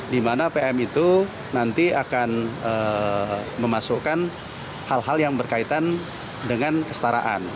di mana pm itu nanti akan memasukkan hal hal yang berkaitan dengan kestaraan